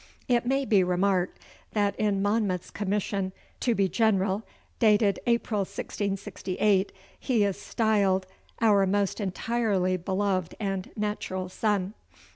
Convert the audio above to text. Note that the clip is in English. It may be remarked that in Monmouth's commission to be general, dated April 1668, he is styled 'our most entirely beloved and natural son.